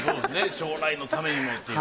将来のためにもっていう。